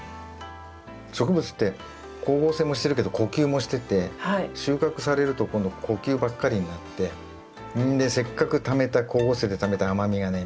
植物って光合成もしてるけど呼吸もしてて収穫されると今度呼吸ばっかりになってせっかくためた光合成でためた甘みがね